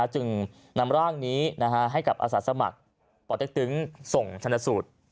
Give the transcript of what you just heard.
จึงนำร่างนี้ให้กับอาสาสมัครปเต็กตึงส่งชนสูตร